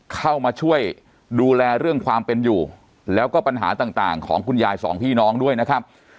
เข้ามาช่วยดูแลเรื่องความเป็นอยู่แล้วก็ปัญหาต่างของคุณยายสองพี่น้องด้วยนะครับ